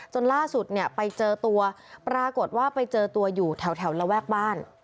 ล่าสุดเนี่ยไปเจอตัวปรากฏว่าไปเจอตัวอยู่แถวระแวกบ้าน